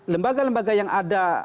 lembaga lembaga yang ada